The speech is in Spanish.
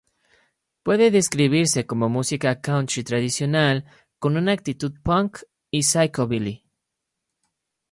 Puede describirse como música country tradicional con una actitud punk y psychobilly.